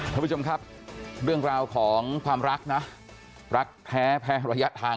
ท่านผู้ชมครับเรื่องราวของความรักนะรักแท้แพ้ระยะทาง